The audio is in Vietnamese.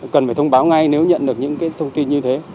cần phải thông báo ngay nếu nhận được những thông tin như thế